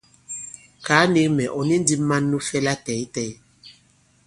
Kàa nīk mɛ̀: ɔ̀ ni ndī man nu fɛ latɛ̂ytɛ̌y?